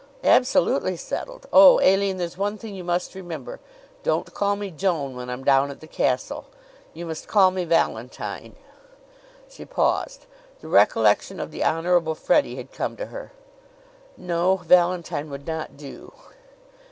"Absolutely settled! Oh, Aline, there's one thing you must remember: Don't call me Joan when I'm down at the castle. You must call me Valentine." She paused. The recollection of the Honorable Freddie had come to her. No; Valentine would not do!